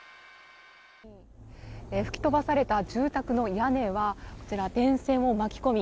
吹き飛ばされた住宅の屋根は電線を巻き込み